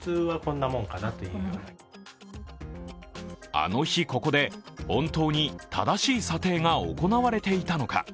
あの日、ここで本当に正しい査定が行われていたのか。